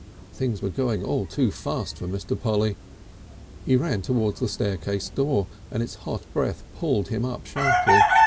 Things were going all too fast for Mr. Polly. He ran towards the staircase door, and its hot breath pulled him up sharply.